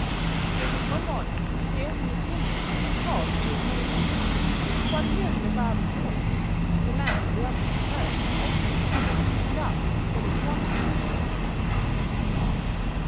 "One morning he opened his window and called to his neighbor. Upon hearing the barber's voice, the man in the opposite house opened his window and asked what was wanted.